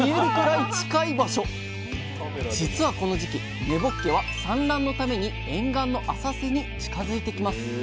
実はこの時期根ぼっけは産卵のために沿岸の浅瀬に近づいてきます。